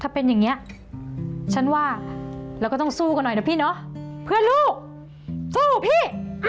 ถ้าเป็นอย่างนี้ฉันว่าเราก็ต้องสู้กันหน่อยนะพี่เนาะเพื่อลูกสู้พี่